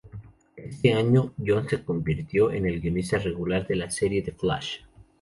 Ese año, Johns se convirtió en el guionista regular de la serie The Flash.